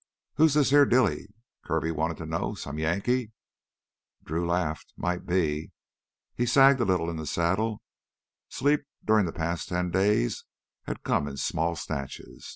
"Who's this heah Dilly?" Kirby wanted to know. "Some Yankee?" Drew laughed. "Might be." He sagged a little in the saddle. Sleep during the past ten days had come in small snatches.